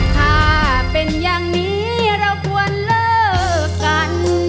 ถ้าเป็นอย่างนี้เราควรเลิกกัน